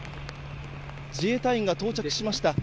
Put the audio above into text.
自衛隊員が到着しました。